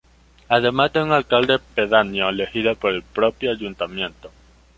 Además de un alcalde pedáneo elegido por el propio ayuntamiento..